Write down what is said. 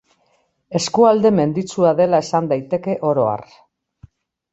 Eskualde menditsua dela esan daiteke oro har.